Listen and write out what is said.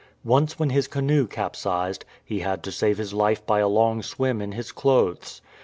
Once when his canoe capsized he had to save his life by a long swim in his clothes.